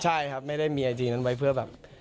ใช่ครับไม่ได้มีไอจีนั้นไว้เพื่อแบบ